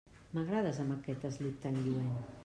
M'agrades amb aquest eslip tan lluent.